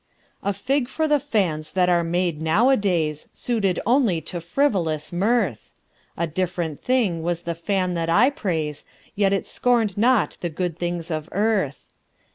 A fig for the fans that are made nowadays, Suited only to frivolous mirth! A different thing was the fan that I praise, Yet it scorned not the good things of earth.